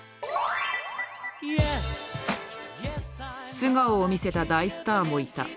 素顔を見せた大スターもいた。